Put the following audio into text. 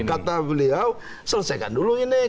kata beliau selesaikan dulu ini